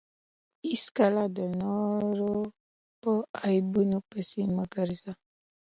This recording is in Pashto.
هېڅکله د نورو په عیبو پيسي مه ګرځه!